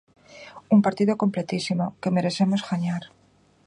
Un partido completísimo, que merecemos gañar.